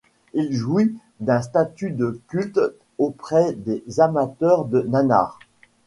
Il jouit d'un statut de culte auprès des amateurs de nanars.